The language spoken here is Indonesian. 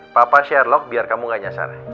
papa sherlock biar kamu gak nyasar